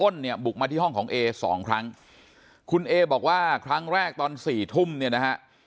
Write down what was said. เนี่ยบุกมาที่ห้องของเอสองครั้งคุณเอบอกว่าครั้งแรกตอนสี่ทุ่มเนี่ยนะฮะ